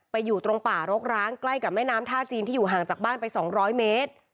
อยู่ตรงป่ารกร้างใกล้กับแม่น้ำท่าจีนที่อยู่ห่างจากบ้านไป๒๐๐เมตร